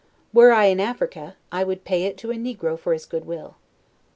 Were I in Africa, I would pay it to a negro for his goodwill.